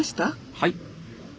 はい？